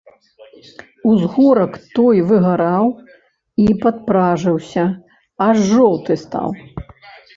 Узгорак той выгараў і падпражыўся, аж жоўты стаў.